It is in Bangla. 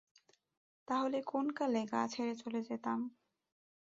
তাহলে কোনকালে গাঁ ছেড়ে চলে যেতাম।